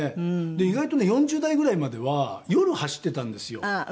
意外とね４０代ぐらいまでは夜走ってたんですよ。